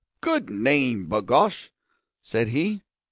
good name, b'gosh!' said he.